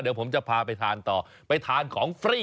เดี๋ยวผมจะพาไปทานต่อไปทานของฟรี